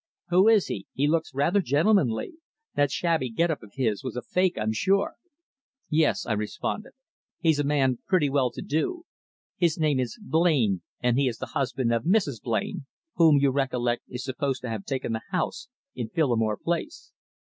"Who is he? He looks rather gentlemanly. That shabby get up of his was a fake, I'm sure." "Yes," I responded. "He's a man pretty well to do. His name is Blain, and he is the husband of Mrs. Blain, whom, you recollect, is supposed to have taken the house in Phillimore Place."